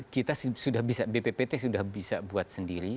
kita sudah bisa bppt sudah bisa buat sendiri